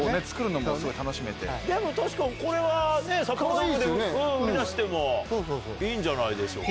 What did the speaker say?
でも確かにこれは札幌ドームで売り出してもいいんじゃないでしょうか。